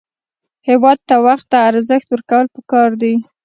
هېواد ته وخت ته ارزښت ورکول پکار دي